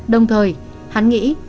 đồng thời hắn nghĩ